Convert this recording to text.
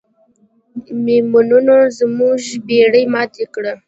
میمونونو زموږ بیړۍ ماته کړه.